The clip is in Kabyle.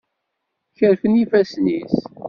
Kerfen yifassen-is.